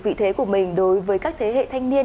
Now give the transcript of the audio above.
vị thế của mình đối với các thế hệ thanh niên